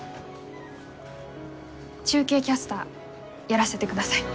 中継キャスターやらせてください。